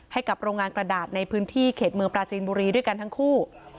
ให้กับโรงงานกระดาษในพื้นที่เขตเมืองปราจีนบุรีด้วยกันทั้งคู่